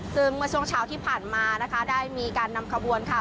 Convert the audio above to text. ซึ่งเมื่อช่วงเช้าที่ผ่านมานะคะได้มีการนำขบวนค่ะ